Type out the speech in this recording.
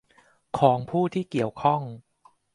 ของผู้ที่เกี่ยวข้อง